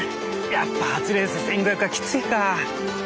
やっぱ初レース１，５００はきついか。